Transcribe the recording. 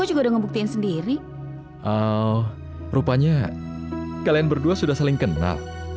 oh rupanya kalian berdua sudah saling kenal